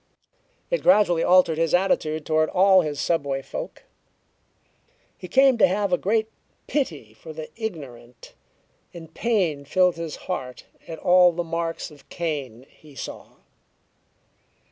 It gradually altered his attitude toward all his subway folk. He came to have a great pity for the ignorant, and pain filled his heart at all the marks of Cain he saw.